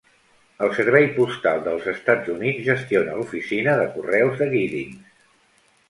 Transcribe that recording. El servei postal dels Estats Units gestiona l'oficina de correus de Giddings.